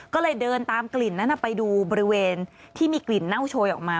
ก็เลยเดินตามกลิ่นนั้นไปดูบริเวณที่มีกลิ่นเน่าโชยออกมา